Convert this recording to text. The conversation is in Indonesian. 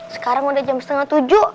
sekarang udah jam setengah tujuh